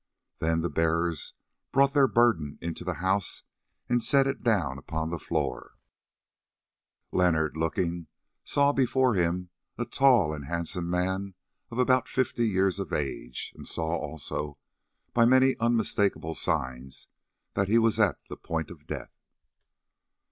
Then the bearers brought their burden into the house and set it down upon the floor. Leonard, looking, saw before him a tall and handsome man of about fifty years of age, and saw also by many unmistakable signs that he was at the point of death.